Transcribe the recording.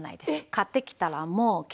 買ってきたらもう切って。